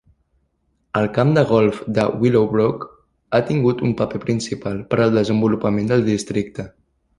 El camp de golf de Willowbrook ha tingut un paper principal per al desenvolupament del districte.